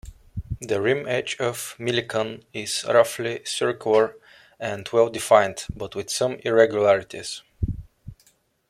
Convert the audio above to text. The rim edge of Millikan is roughly circular and well-defined, but with some irregularities.